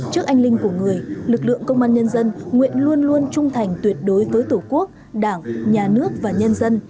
trước anh linh của người lực lượng công an nhân dân nguyện luôn luôn trung thành tuyệt đối với tổ quốc đảng nhà nước và nhân dân